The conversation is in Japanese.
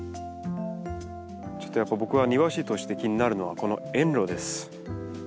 ちょっとやっぱり僕は庭師として気になるのはこの園路です。